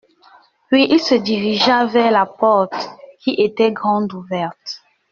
Puis, il se dirigea vers la porte qui était grande ouverte.